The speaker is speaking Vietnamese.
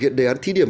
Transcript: thu mua chế biến